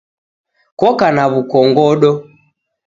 Koka na w'ukong'odo.